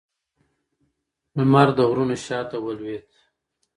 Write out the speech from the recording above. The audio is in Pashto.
لمر د غرونو شا ته ولوېد